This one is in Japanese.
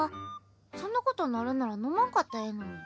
そんなことになるんなら飲まんかったらええのに。